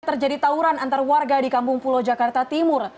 terjadi tawuran antar warga di kampung pulau jakarta timur